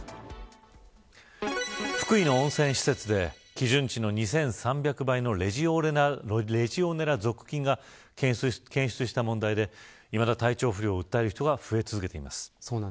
福井の温泉施設で基準値の２３００倍のレジオネラ属菌が検出した問題でいまだ体調不良を訴える人が増え続けています。